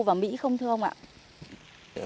và mỹ không thưa ông ạ